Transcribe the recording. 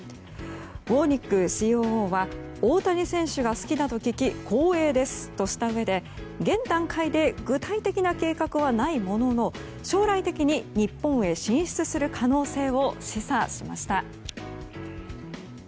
ウォーニックＣＯＯは大谷選手が好きだと聞き光栄ですとしたうえで現段階で具体的な計画はないものの将来的に日本へ進出する可能性を示唆しました。